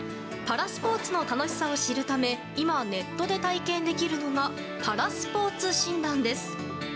パラスポーツの楽しさを知るため今ネットで体験できるのがパラスポーツ診断です。